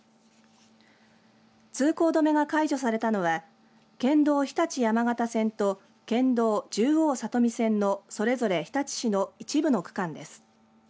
通行止めが解除されたのは県道日立山方線と県道十王里美線のそれぞれ日立市の一部の区間です。